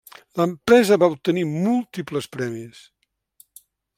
L'empresa va obtenir múltiples premis.